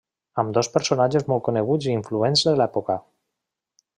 Ambdós personatges molt coneguts i influents de l'època.